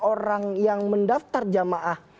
orang yang mendaftar jemaah